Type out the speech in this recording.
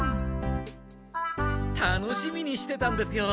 楽しみにしてたんですよ。